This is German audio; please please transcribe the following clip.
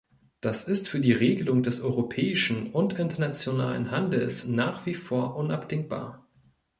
Das ist für die Regelung des europäischen und internationalen Handels nach wie vor unabdingbar.